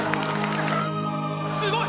すごい！